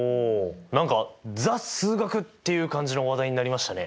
何か「ザ・数学」っていう感じの話題になりましたね！